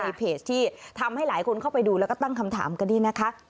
เพจที่ทำให้หลายคนเข้าไปดูแล้วก็ตั้งคำถามกันนี่นะคะ